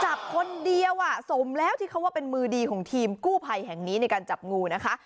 จับคนเดียวอ่ะสมแล้วที่เขาว่าเป็นมือดีของทีมกู้ภัยแห่งนี้ในการจับงูนะคะ